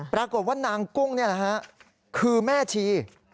ปรากฏว่านางกุ้งนี่แหละฮะคือแม่ชี